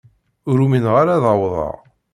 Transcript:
Ur umineɣ ara ad awḍeɣ.